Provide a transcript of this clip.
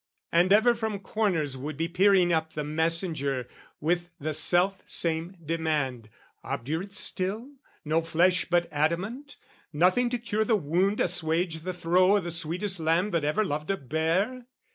And ever from corners would be peering up The messenger, with the self same demand "Obdurate still, no flesh but adamant? "Nothing to cure the wound, assuage the throe "O' the sweetest lamb that ever loved a bear?"